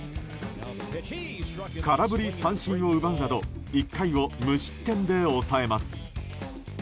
空振り三振を奪うなど１回を無失点で抑えます。